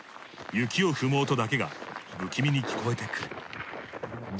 雪を踏む音だけが不気味に聞こえてくる。